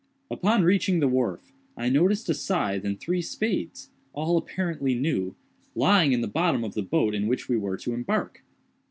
Upon reaching the wharf, I noticed a scythe and three spades, all apparently new, lying in the bottom of the boat in which we were to embark.